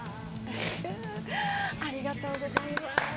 ありがとうございます。